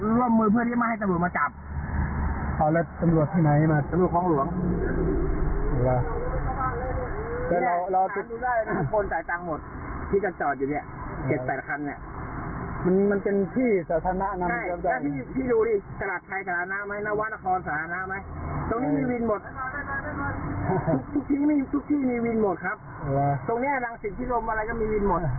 ทุกที่มีวินหมดครับตรงนี้หลังศิษย์พิโรมอะไรก็มีวินหมด